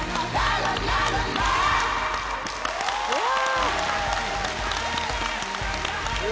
うわ！